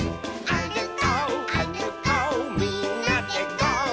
「あるこうあるこうみんなでゴー！」